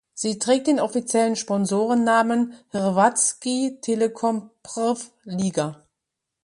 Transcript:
Sie trägt den offiziellen Sponsorennamen "Hrvatski Telekom Prva liga".